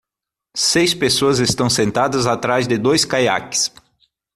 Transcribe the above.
Seis pessoas estão sentadas atrás de dois caiaques.